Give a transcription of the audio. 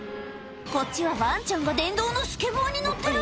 こっちはわんちゃんが電動のスケボーに乗ってる。